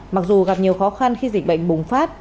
mặc dù gặp nhiều khó khăn khi dịch bệnh bùng phát